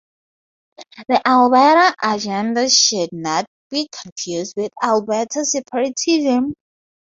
The Alberta Agenda should not be confused with Alberta separatism.